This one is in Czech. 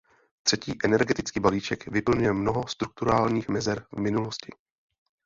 Třetí energetický balíček vyplňuje mnoho strukturálních mezer z minulosti.